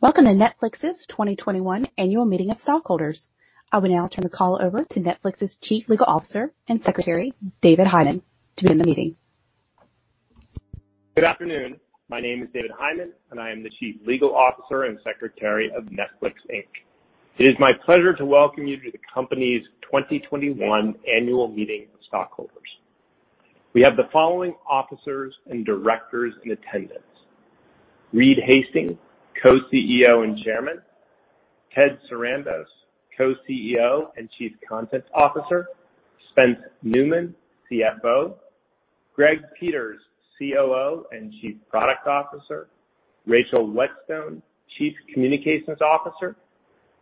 Welcome to Netflix's 2021 Annual Meeting of Stockholders. I will now turn the call over to Netflix's Chief Legal Officer and Secretary, David Hyman, to begin the meeting. Good afternoon. My name is David Hyman, and I am the Chief Legal Officer and Secretary of Netflix, Inc. It is my pleasure to welcome you to the company's 2021 Annual Meeting of Stockholders. We have the following officers and directors in attendance. Reed Hastings, Co-CEO and Chairman, Ted Sarandos, Co-CEO and Chief Content Officer, Spencer Neumann, CFO, Greg Peters, COO and Chief Product Officer, Rachel Whetstone, Chief Communications Officer.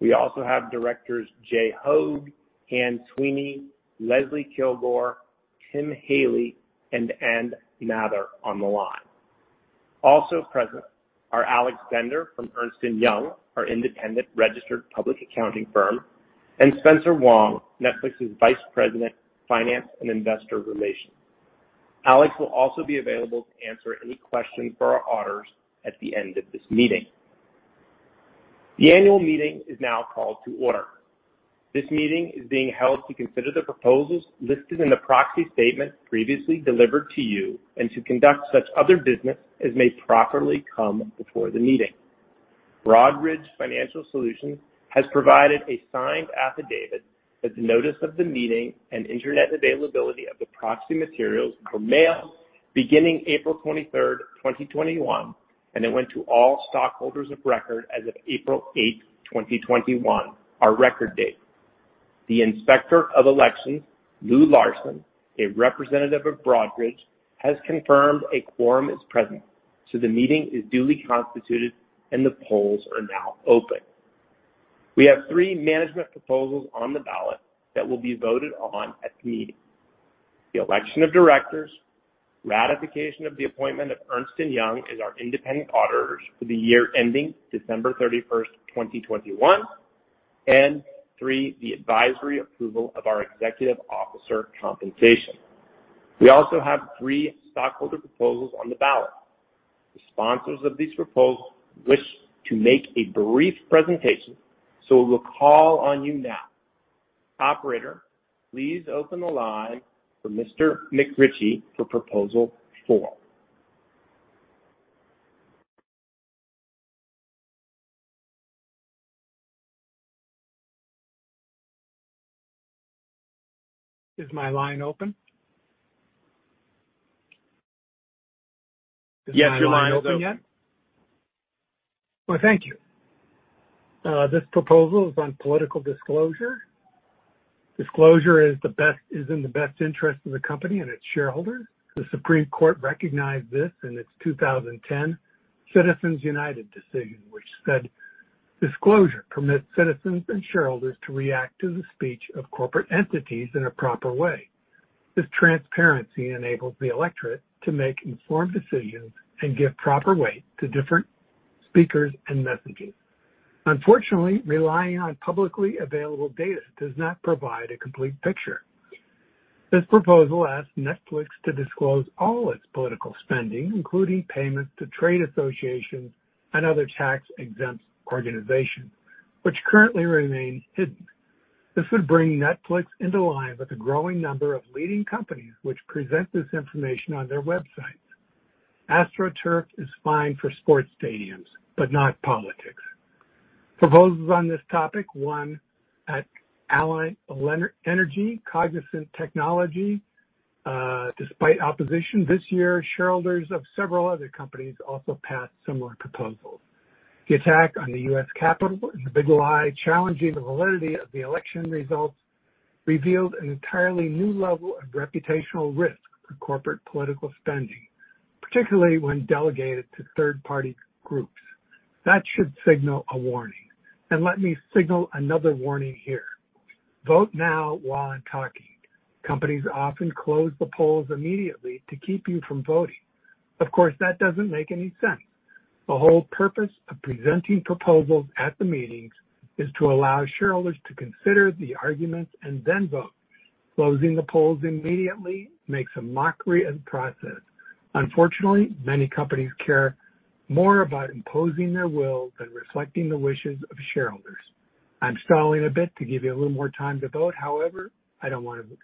We also have directors Jay Hoag, Anne Sweeney, Leslie Kilgore, Timothy Haley, and Ann Mather on the line. Also present are Alex Bender from Ernst & Young, our independent registered public accounting firm, and Spencer Wang, Netflix's Vice President of Finance and Investor Relations. Alex will also be available to answer any questions for our auditors at the end of this meeting. The Annual Meeting is now called to order. This meeting is being held to consider the proposals listed in the proxy statement previously delivered to you and to conduct such other business as may properly come before the meeting. Broadridge Financial Solutions has provided a signed affidavit as notice of the meeting and internet availability of the proxy materials were mailed beginning April 23rd, 2021, and it went to all stockholders of record as of April 8th, 2021, our record date. The Inspector of Elections, Lou Larson, a representative of Broadridge, has confirmed a quorum is present, so the meeting is duly constituted and the polls are now open. We have three management proposals on the ballot that will be voted on at the meeting. The election of directors, ratification of the appointment of Ernst & Young as our independent auditors for the year ending December 31st, 2021, and three, the advisory approval of our executive officer compensation. We also have three stockholder proposals on the ballot. The sponsors of these proposals wish to make a brief presentation, so we'll call on you now. Operator, please open the line for Mr. McRitchie for Proposal 4. Is my line open? Yes, your line is open. Why, thank you. This proposal is on political disclosure. Disclosure is in the best interest of the company and its shareholders. The Supreme Court recognized this in its 2010 Citizens United decision, which said, "Disclosure permits citizens and shareholders to react to the speech of corporate entities in a proper way. This transparency enables the electorate to make informed decisions and give proper weight to different speakers and messaging." Unfortunately, relying on publicly available data does not provide a complete picture. This proposal asks Netflix to disclose all its political spending, including payments to trade associations and other tax-exempt organizations, which currently remain hidden. This would bring Netflix into line with a growing number of leading companies which present this information on their websites. AstroTurf is fine for sports stadiums, but not politics. Proposals on this topic won at Alliant Energy, Cognizant Technology. Despite opposition this year, shareholders of several other companies also passed similar proposals. The attack on the U.S. Capitol and the big lie challenging the validity of the election results revealed an entirely new level of reputational risk for corporate political spending, particularly when delegated to third-party groups. That should signal a warning. Let me signal another warning here. Vote now while I'm talking. Companies often close the polls immediately to keep you from voting. Of course, that doesn't make any sense. The whole purpose of presenting proposals at the meetings is to allow shareholders to consider the arguments and then vote. Closing the polls immediately makes a mockery of the process. Unfortunately, many companies care more about imposing their will than reflecting the wishes of shareholders. I'm stalling a bit to give you a little more time to vote. However, I don't want to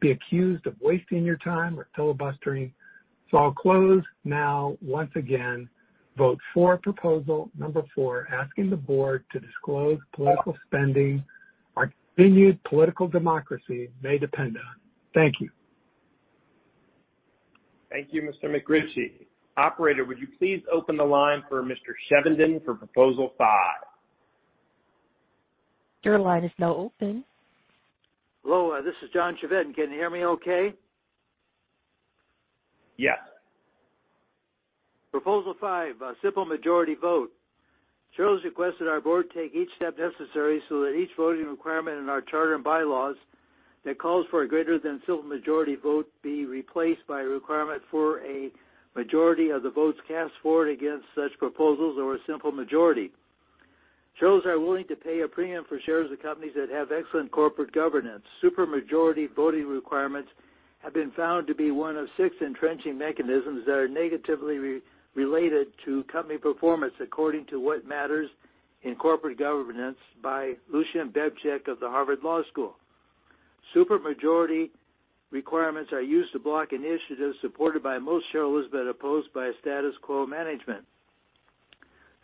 be accused of wasting your time or filibustering, so I'll close now. Once again, vote for Proposal number 4, asking the board to disclose political spending. Our continued political democracy may depend on it. Thank you. Thank you, Mr. McRitchie. Operator, would you please open the line for Mr. Chevedden for Proposal 5? Your line is now open. Hello, this is John Chevedden. Can you hear me okay? Yes. Proposal 5, simple majority vote. Shareholders request that our Board take each step necessary so that each voting requirement in our charter bylaws that calls for a greater than simple majority vote be replaced by a requirement for a majority of the votes cast for and against such proposals, or a simple majority. Shareholders are willing to pay a premium for shares of companies that have excellent corporate governance. Supermajority voting requirements have been found to be one of six entrenching mechanisms that are negatively related to company performance, according to "What Matters in Corporate Governance" by Lucian Bebchuk of the Harvard Law School. Supermajority requirements are used to block initiatives supported by most shareholders but opposed by status quo management.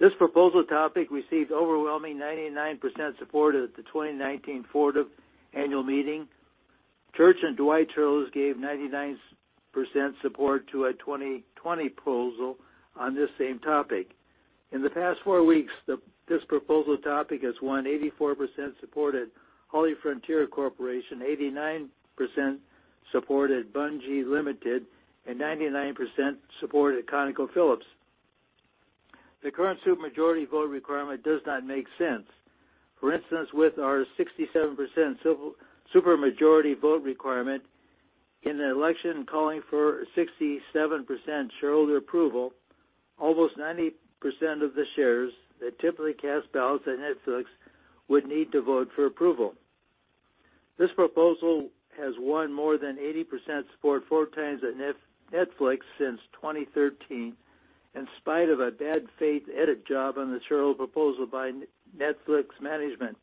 This proposal topic received overwhelming 99% support at the 2019 Ford Annual Meeting. Church & Dwight shareholders gave 99% support to a 2020 proposal on this same topic. In the past four weeks, this proposal topic has won 84% support at HollyFrontier Corporation, 89% support at Bunge Limited, and 99% support at ConocoPhillips. The current supermajority vote requirement does not make sense. For instance, with our 67% supermajority vote requirement in an election calling for 67% shareholder approval, almost 90% of the shares that typically cast ballots at Netflix would need to vote for approval. This proposal has won more than 80% support four times at Netflix since 2013, in spite of a bad-faith edit job on the shareholder proposal by Netflix management.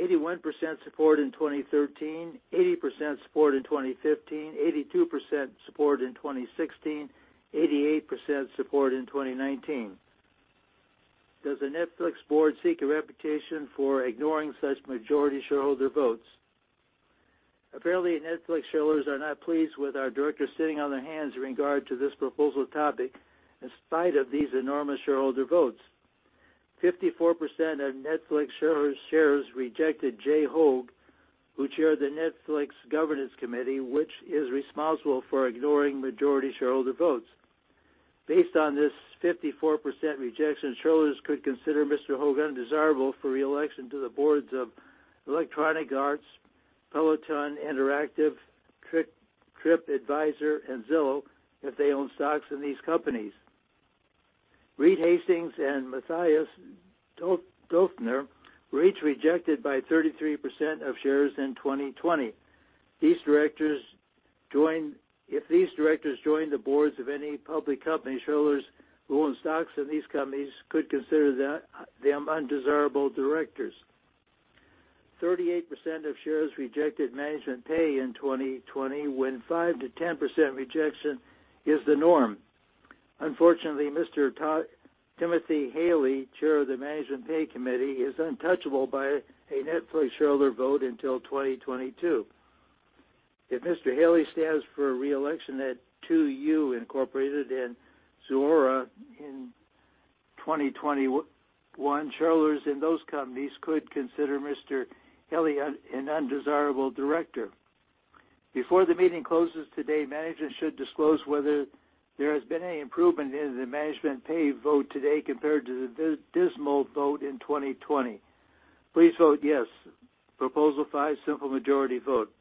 81% support in 2013, 80% support in 2015, 82% support in 2016, 88% support in 2019. Does the Netflix Board seek a reputation for ignoring such majority shareholder votes? Apparently, Netflix shareholders are not pleased with our directors sitting on their hands in regard to this proposal topic, in spite of these enormous shareholder votes. 54% of Netflix shareholders rejected Jay Hoag, who chaired the Netflix Governance Committee, which is responsible for ignoring majority shareholder votes. Based on this 54% rejection, shareholders could consider Mr. Hoag undesirable for re-election to the boards of Electronic Arts, Peloton Interactive, Tripadvisor, and Zillow if they own stocks in these companies. Reed Hastings and Mathias Döpfner were each rejected by 33% of shareholders in 2020. If these directors join the boards of any public company, shareholders who own stocks in these companies could consider them undesirable directors. 38% of shares rejected management pay in 2020 when 5%-10% rejection is the norm. Unfortunately, Mr. Timothy Haley, chair of the Management Pay Committee, is untouchable by a Netflix shareholder vote until 2022. If Mr. Haley stands for re-election at 2U, Inc. and Zuora in 2021, shareholders in those companies could consider Mr. Haley an undesirable director. Before the meeting closes today, management should disclose whether there has been any improvement in the management pay vote today compared to the dismal vote in 2020. Please vote yes. Proposal 5, simple majority vote.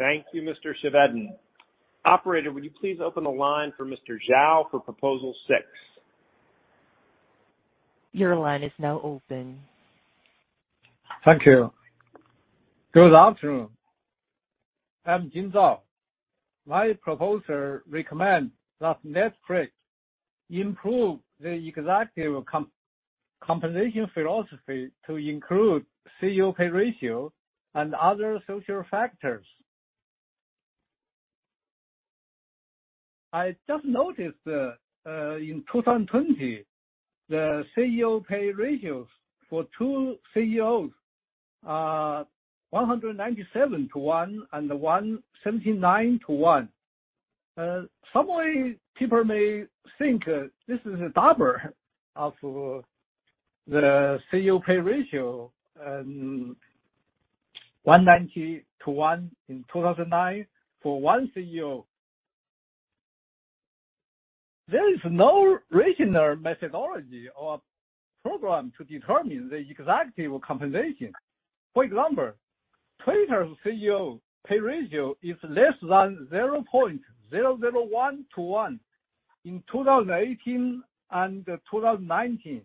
Thank you, Mr. Chevedden. Operator, would you please open the line for Mr. Zhao for Proposal 6? Your line is now open. Thank you. Good afternoon. I'm Jing Zhao. My proposal recommends that Netflix improve the executive compensation philosophy to include CEO pay ratio and other social factors. I just noticed that in 2020, the CEO pay ratios for two CEOs are 197:1 and 179:1. In some way, people may think this is double of the CEO pay ratio, and 190:1 in 2009 for one CEO. There is no rational methodology or program to determine the executive compensation. For example, Twitter's CEO pay ratio is less than 0.001:1 in 2018 and 2019.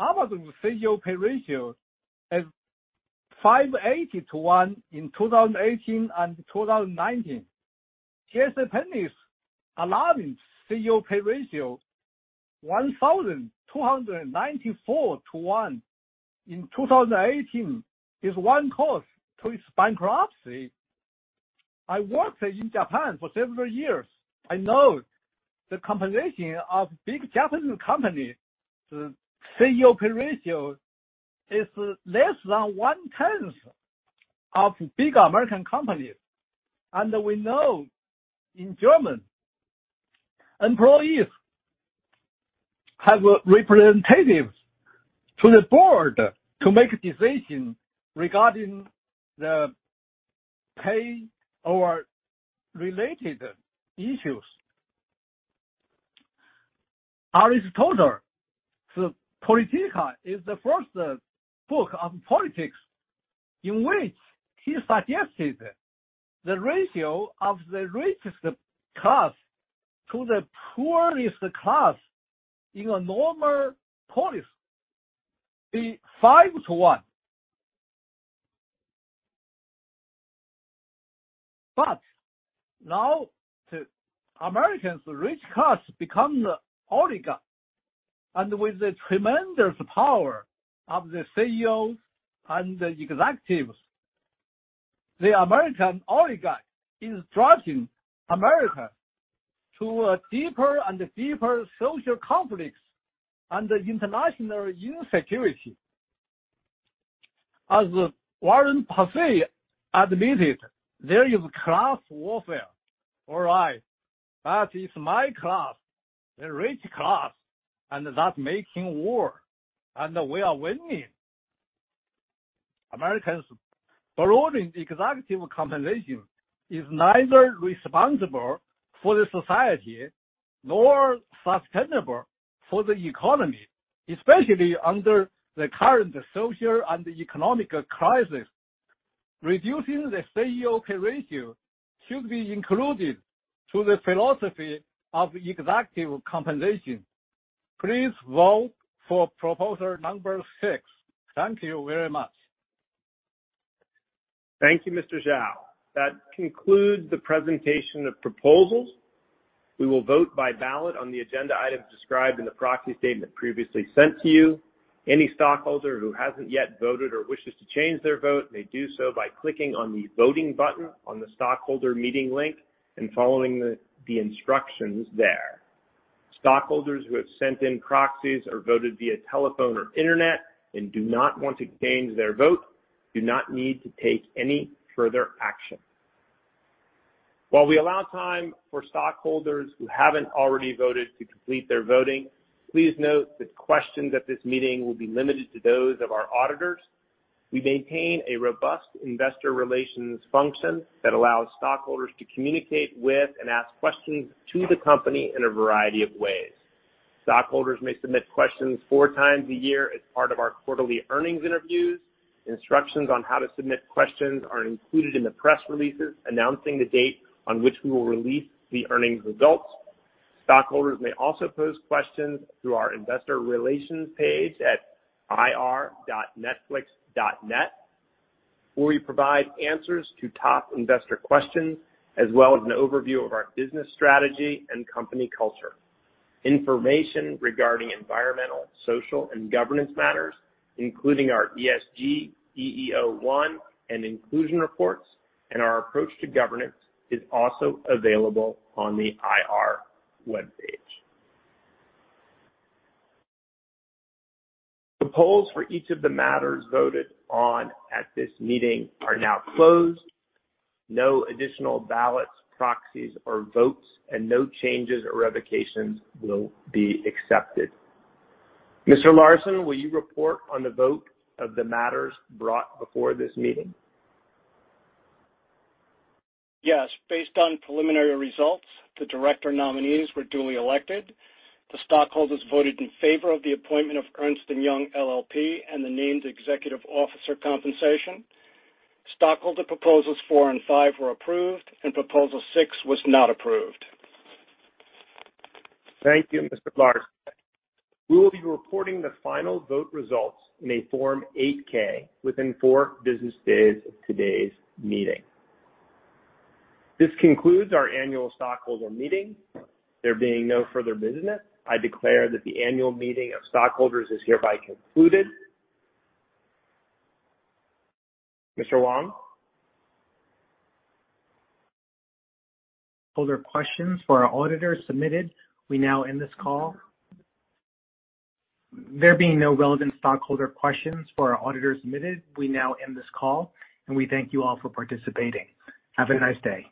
Amazon's CEO pay ratio is 580:1 in 2018 and 2019. J.C. Penney's alarming CEO pay ratio, 1,294:1 in 2018, is one cause to its bankruptcy. I worked in Japan for several years. I know the compensation of big Japanese companies, the CEO pay ratio is less than one-tenth of big American companies. We know in Germany, employees have a representative to the board to make a decision regarding the pay or related issues. The Politica is the first book on politics in which he suggested the ratio of the richest class to the poorest class in a normal polis be 5:1. Now, the Americans' rich class become the oligarch, and with the tremendous power of the CEOs and the executives, the American oligarch is dragging America to a deeper and deeper social conflicts and international insecurity. As Warren Buffett admitted, there is class warfare. All right. It's my class, the rich class, and that making war, and we are winning. Americans' bloating executive compensation is neither responsible for the society nor sustainable for the economy, especially under the current social and economic crisis. Reducing the CEO pay ratio should be included to the philosophy of executive compensation. Please vote for Proposal number 6. Thank you very much. Thank you, Mr. Zhao. That concludes the presentation of proposals. We will vote by ballot on the agenda items described in the proxy statement previously sent to you. Any stockholder who hasn't yet voted or wishes to change their vote, may do so by clicking on the voting button on the stockholder meeting link and following the instructions there. Stockholders who have sent in proxies or voted via telephone or internet and do not want to change their vote, do not need to take any further action. While we allow time for stockholders who haven't already voted to complete their voting, please note that questions at this meeting will be limited to those of our auditors. We maintain a robust investor relations function that allows stockholders to communicate with and ask questions to the company in a variety of ways. Stockholders may submit questions four times a year as part of our quarterly earnings interviews. Instructions on how to submit questions are included in the press releases announcing the date on which we will release the earnings results. Stockholders may also pose questions through our investor relations page at ir.netflix.net, where we provide answers to top investor questions as well as an overview of our business strategy and company culture. Information regarding environmental, social, and governance matters, including our ESG, EEO-1, and inclusion reports, and our approach to governance is also available on the IR webpage. The polls for each of the matters voted on at this meeting are now closed. No additional ballots, proxies, or votes, and no changes or revocations will be accepted. Mr. Larson, will you report on the vote of the matters brought before this meeting? Yes. Based on preliminary results, the director nominees were duly elected. The stockholders voted in favor of the appointment of Ernst & Young LLP and the named Executive Officer Compensation. Stockholder Proposals 4 and 5 were approved, and Proposal 6 was not approved. Thank you, Mr. Larson. We will be reporting the final vote results in a Form 8-K within four business days of today's meeting. This concludes our Annual Stockholder Meeting. There being no further business, I declare that the Annual Meeting of Stockholders is hereby concluded. Mr. Wang? Holder questions for our auditors submitted, we now end this call. There being no relevant stockholder questions for our auditors submitted, we now end this call, and we thank you all for participating. Have a nice day.